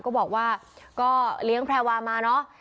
ก็บอกว่าก็เลี้ยงแพรวามาเนอะ